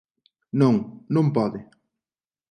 Non, non pode.